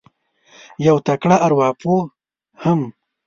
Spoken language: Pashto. یو تکړه اروا پوه هم